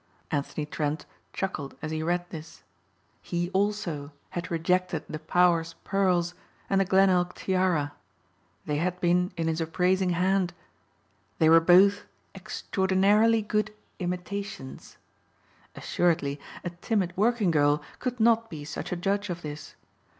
Anthony Trent chuckled as he read this. He also had rejected the Power's pearls and the Glenelg tiara. They had been in his appraising hand. They were both extraordinarily good imitations! Assuredly a timid working girl could not be such a judge of this.